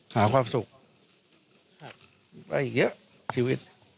หาความสุขไว้อีกเยอะชีวิต